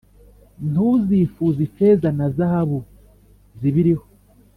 Ntuzifuze ifeza na zahabu zibiriho